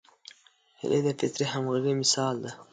هیلۍ د فطري همغږۍ مثال ده